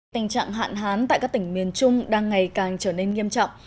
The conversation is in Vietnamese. tình trạng hạn hán tại các tỉnh miền trung đang ngày càng trở nên nghiêm trọng